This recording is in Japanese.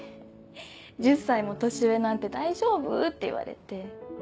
「１０歳も年上なんて大丈夫？」って言われて。